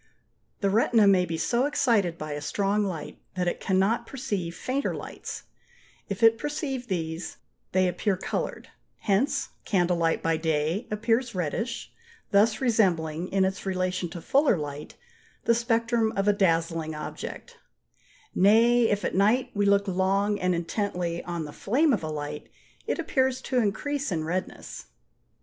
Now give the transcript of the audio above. The retina may be so excited by a strong light that it cannot perceive fainter lights (11): if it perceive these they appear coloured: hence candle light by day appears reddish, thus resembling, in its relation to fuller light, the spectrum of a dazzling object; nay, if at night we look long and intently on the flame of a light, it appears to increase in redness.